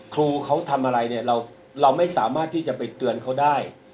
ครูเขาทำอะไรเนี่ยเราไม่สามารถที่จะไปเตือนเขาได้